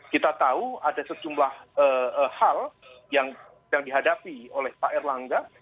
kita tahu ada sejumlah hal yang dihadapi oleh pak erlangga